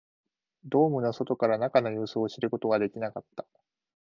ドームの外から中の様子を知ることはできなかった